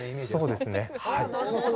そうですね。